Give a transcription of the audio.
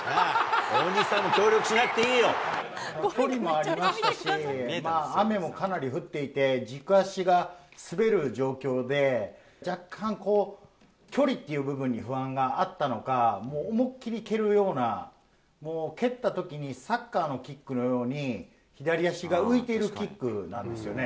あの入った瞬間のゴールキッなり降っていて、軸足が滑る状況で、若干こう、距離っていう部分に不安があったのか、おもっきり蹴るような、もう、蹴ったときにサッカーのキックのように左足が浮いているキックなんですよね。